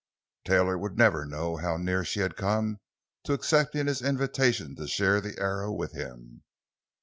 Taylor would never know how near she had come to accepting his invitation to share the Arrow with him.